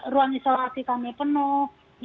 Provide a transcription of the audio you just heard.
ruang isolasi kami penuh